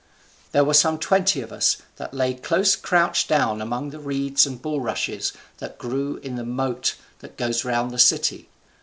There was some twenty of us, that lay close crouched down among the reeds and bulrushes that grew in the moat that goes round the city.